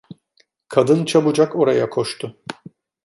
Kadın çabucak oraya koştu.